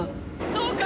そうか！